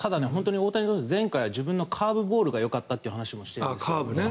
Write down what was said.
大谷投手は前回自分のカーブボールがよかったという話をしていたんですね。